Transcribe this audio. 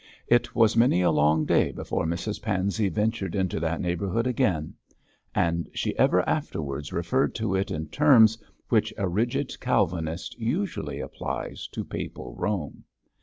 It was many a long day before Mrs Pansey ventured into that neighbourhood again; and she ever afterwards referred to it in terms which a rigid Calvinist usually applies to Papal Rome.